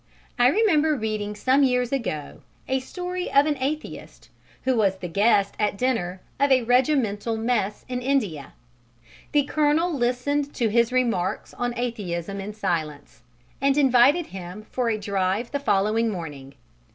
I remember reading some years ago a story of an atheist who was the guest at dinner of a regimental mess in India. The colonel listened to his remarks on atheism in silence, and invited him for a drive the following morning.